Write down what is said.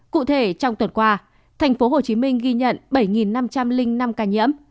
cụ thể trong tuần qua tp hcm ghi nhận bảy năm trăm linh năm ca nhiễm